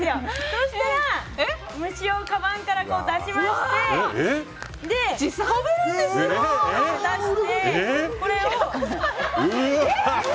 そしたら虫をかばんから出しましてこれを。